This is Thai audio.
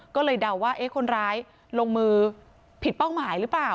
ก็เลยเดาว่าคนร้ายลงมือผิดเป้าหมายหรือเปล่า